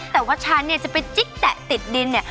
แต่ว่าฉันเนี่ยจะไปจิ๊กแตะติดดินเนี่ย